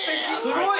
すごい！